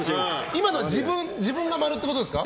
今のは自分が○ってことですか？